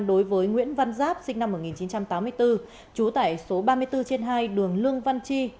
đối với nguyễn văn giáp sinh năm một nghìn chín trăm tám mươi bốn trú tại số ba mươi bốn trên hai đường lương văn chi